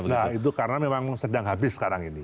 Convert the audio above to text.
nah itu karena memang sedang habis sekarang ini